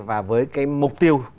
và với cái mục tiêu